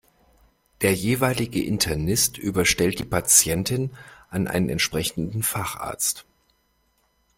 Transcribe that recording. Der jeweilige Internist überstellt die Patientin an einen entsprechenden Facharzt.